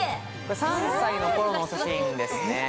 ３歳の頃の写真ですね。